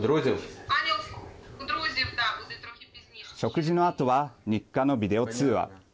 食事のあとは日課のビデオ通話。